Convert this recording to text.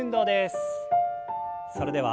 それでは。